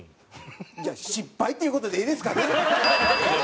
じゃあ失敗っていう事でいいですかね？